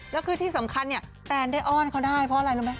แล้วคือที่สำคัญเนี่ยแตนได้อ้อนเขาได้เพราะอะไรรู้ไหม